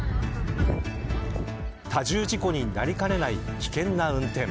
多重事故になりかねない危険な運転。